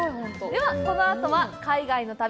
では、このあとは海外の旅。